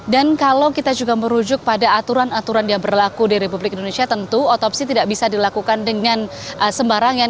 dan kalau kita juga merujuk pada aturan aturan yang berlaku di republik indonesia tentu otopsi tidak bisa dilakukan dengan sembarangan